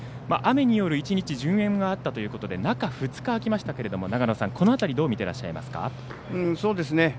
雨による１日順延はあったということで中２日、空きましたけれどもこの辺りどう見てらっしゃいますか。